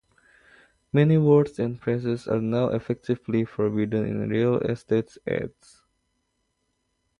Many words and phrases are now effectively forbidden in real estate ads.